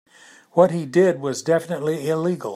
What he did was definitively illegal.